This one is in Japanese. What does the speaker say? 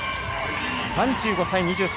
３５対２３。